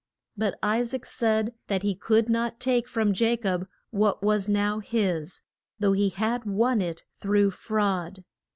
But I saac said that he could not take from Ja cob what was now his though he had won it through fraud.